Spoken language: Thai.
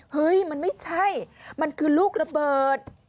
เฮ้ยมันไม่ใช่มันคือลูกระเบิด